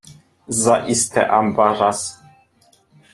Zaiste ambaras.